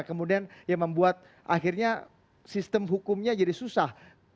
kemudian yang membuat akhirnya sistem hukumnya jadi susah